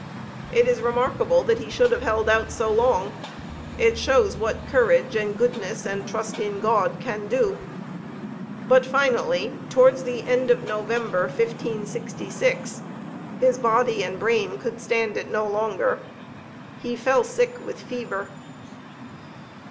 It is remarkable that he should have held out so long. It shows what courage and goodness and trust in God can do. But finally, towards the end of November, 1566, his body and brain could stand it no longer. He fell sick, with fever.